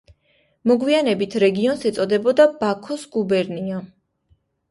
მოგვიანებით რეგიონს ეწოდებოდა ბაქოს გუბერნია.